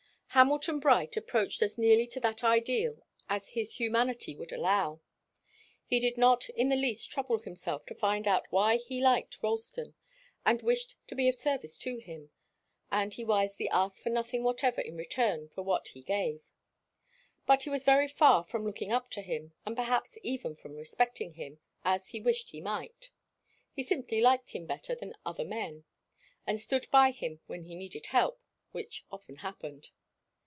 Hamilton Bright approached as nearly to that ideal as his humanity would allow. He did not in the least trouble himself to find out why he liked Ralston, and wished to be of service to him, and he wisely asked for nothing whatever in return for what he gave. But he was very far from looking up to him, and perhaps even from respecting him as he wished that he might. He simply liked him better than other men, and stood by him when he needed help, which often happened.